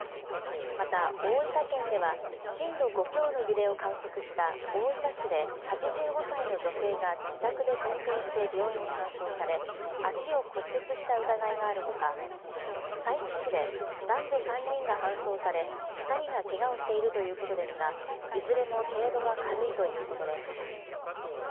また、大分県では、震度５強の揺れを観測した大分市で８５歳の女性が自宅で転倒して病院に搬送され、足を骨折した疑いがあるほか、佐伯市で男女３人が搬送され、２人がけがをしているということですが、いずれも程度は軽いということです。